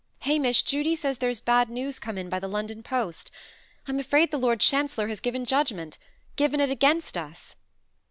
"Hamish, Judy says there's bad news come in by the London post. I am afraid the Lord Chancellor has given judgment given it against us."